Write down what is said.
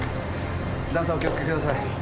段差お気を付けください。